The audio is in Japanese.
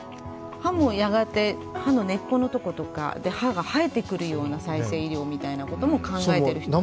歯もやがて、歯の根っこのところとか、歯が生えてくるような再生医療も考えてるような。